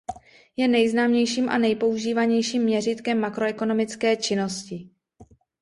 Je nejznámějším a nejpoužívanějším měřítkem makroekonomické činnosti.